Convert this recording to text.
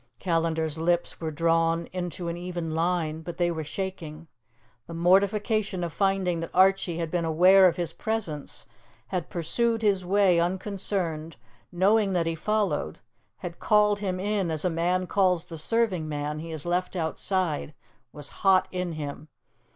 Callandar's lips were drawn into an even line, but they were shaking. The mortification of finding that Archie had been aware of his presence, had pursued his way unconcerned, knowing that he followed, had called him in as a man calls the serving man he has left outside, was hot in him.